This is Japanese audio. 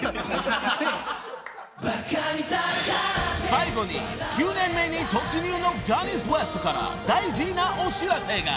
［最後に９年目に突入のジャニーズＷＥＳＴから大事なお知らせが］